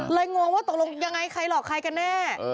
งงว่าตกลงยังไงใครหลอกใครกันแน่